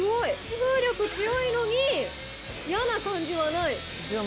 風力強いのに、やな感じはない。